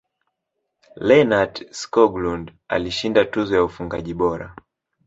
lennart skoglund alishinda tuzo ya ufungaji bora